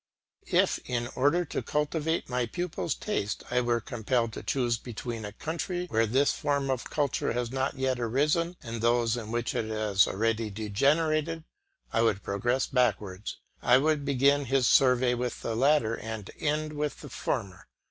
If in order to cultivate my pupil's taste, I were compelled to choose between a country where this form of culture has not yet arisen and those in which it has already degenerated, I would progress backwards; I would begin his survey with the latter and end with the former.